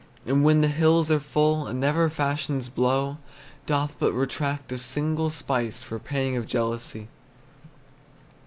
And when the hills are full, And newer fashions blow, Doth not retract a single spice For pang of jealousy.